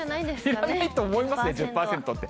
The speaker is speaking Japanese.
いらないと思いますね、１０％って。